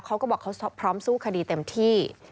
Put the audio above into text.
เขาก็บอกเขาพร้อมสู้คดีเต็มที่